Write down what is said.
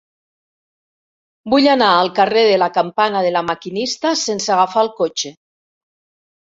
Vull anar al carrer de la Campana de La Maquinista sense agafar el cotxe.